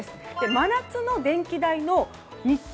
真夏の電気代の日中